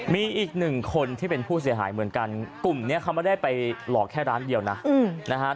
มีอีกหนึ่งคนที่เป็นผู้เสียหายเหมือนกันกลุ่มนี้เขาไม่ได้ไปหลอกแค่ร้านเดียวนะนะฮะ